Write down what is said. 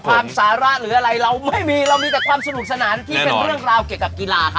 สาระหรืออะไรเราไม่มีเรามีแต่ความสนุกสนานที่เป็นเรื่องราวเกี่ยวกับกีฬาครับ